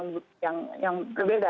berbeda dengan presiden sebelumnya